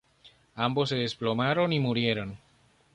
Ambos se desplomaron y murieron.